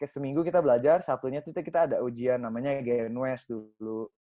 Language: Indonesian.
seminggu kita belajar sabtunya kita ada ujian namanya gian west dulu